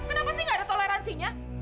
kenapa sih gak ada toleransinya